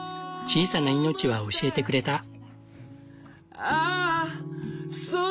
小さな命は教えてくれた。